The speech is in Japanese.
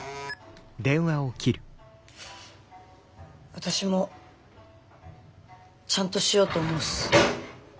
私もちゃんとしようと思うっす。